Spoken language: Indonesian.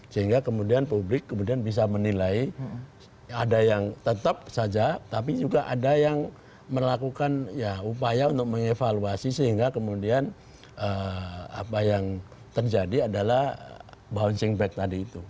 sehingga kemudian publik kemudian bisa menilai ada yang tetap saja tapi juga ada yang melakukan upaya untuk mengevaluasi sehingga kemudian apa yang terjadi adalah bouncing back tadi itu